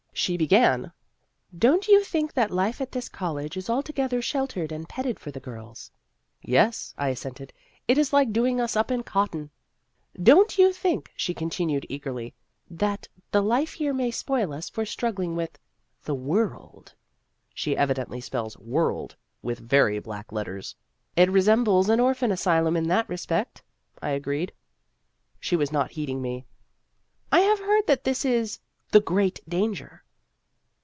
She began, " Don't you think that life at this college is altogether shel tered and petted for the girls ?"" Yes," I assented, " it is like doing us up in cotton." " Don't you think," she continued ea gerly, " that the life here may spoil us for struggling with the world ?" (She evi dently spells world with very black letters.) " It resembles an orphan asylum in that respect," I agreed. She was not heeding me. " I have heard that this is ' The Great Danger.'